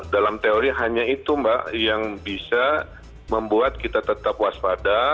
dalam teori hanya itu mbak yang bisa membuat kita tetap waspada